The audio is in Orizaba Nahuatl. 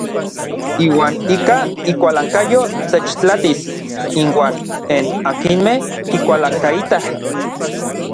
Iuan ika ikualankayo techtlatis inuan n akinmej kikualankaitaj.